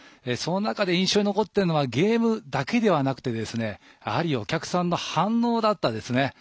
印象に残っているのはゲームだけではなくてお客さんの反応だったんです。